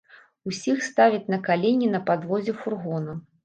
Усіх ставяць на калені на падлозе фургона.